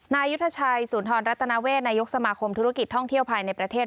นายยุทธชัยสุนทรรัตนาเวทนายกสมาคมธุรกิจท่องเที่ยวภายในประเทศ